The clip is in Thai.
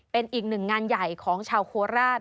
เป็นอีกหนึ่งงานใหญ่ของชาวโคราช